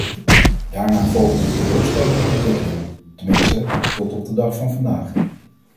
Daarna volgde een teleurstellende ontwikkeling, tenminste tot op de dag van vandaag.